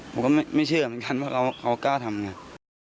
ผมก็ไม่เชื่อเหมือนกันว่าเรากล้าทำไง